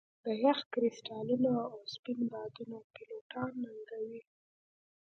د یخ کرسټالونه او سپین بادونه پیلوټان ننګوي